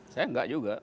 saya tidak juga